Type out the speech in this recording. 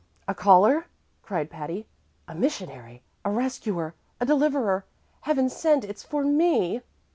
"A caller?" cried Patty. "A missionary! A rescuer! A deliverer! Heaven send it's for me!"